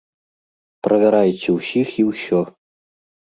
Правярайце ўсіх і ўсё.